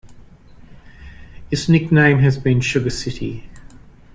Its nickname has been "Sugar City".